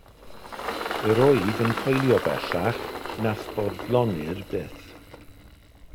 Yr wyf yn coelio, bellach, na'th foddlonir byth.